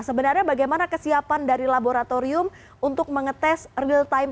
sebenarnya bagaimana kesiapan dari laboratorium untuk mengetes real time